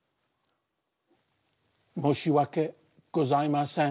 申し訳ございません。